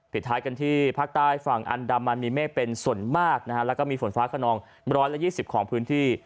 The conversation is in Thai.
ผิดท้ายกันที่ภาคใต้ฝั่งอันดำมันมีเมฆเป็นส่วนมากและมีฝนฟ้าขนองร้อยและยี่สิบของพื้นที่